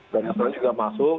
dan yang ketiga juga masuk